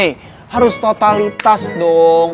eh harus totalitas dong